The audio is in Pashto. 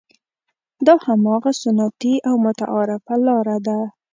دا هماغه سنتي او متعارفه لاره ده.